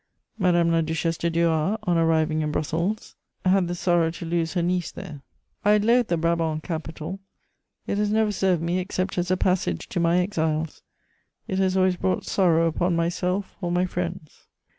Madame la Duchesse de Duras, on arriving in Brussels, had the sorrow to lose her niece there. I loathe the Brabant capital; it has never served me except as a passage to my exiles; it has always brought sorrow upon myself or my friends.